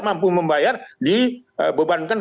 mampu membayar dibebankan